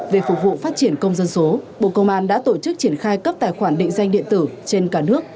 về phục vụ phát triển công dân số bộ công an đã tổ chức triển khai cấp tài khoản định danh điện tử trên cả nước